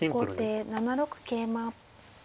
後手７六桂馬。